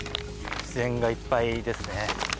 自然がいっぱいですね。